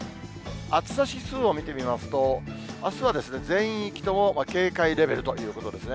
暑さ指数を見てみますと、あすは全域とも警戒レベルということですね。